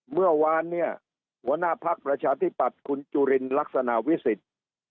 เมื่อวานเนี่ยหัวหน้าภักดิ์ประชาธิปัตย์คุณจุลินลักษณะวิสิทธิ์